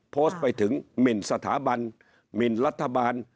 โพสต์ไปถึงหมินสถาบันหมินรัฐบาล